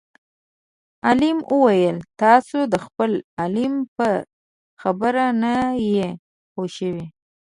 عالم وویل تاسو د خپل عالم په خبره نه یئ پوه شوي.